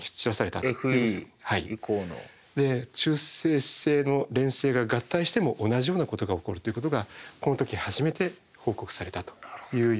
で中性子星の連星が合体しても同じようなことが起こるということがこの時初めて報告されたというようなことになります。